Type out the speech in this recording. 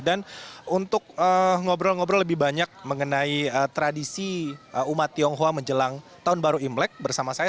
dan untuk ngobrol ngobrol lebih banyak mengenai tradisi umat tionghoa menjelang tahun baru imlek bersama saya